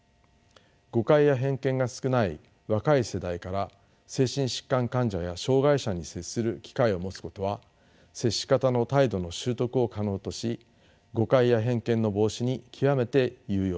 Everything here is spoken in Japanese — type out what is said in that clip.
誤解や偏見が少ない若い世代から精神疾患患者や障害者に接する機会を持つことは接し方の態度の習得を可能とし誤解や偏見の防止に極めて有用です。